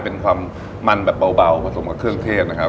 เป็นความมันแบบเบาผสมกับเครื่องเทศนะครับ